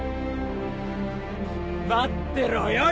待ってろよ漂！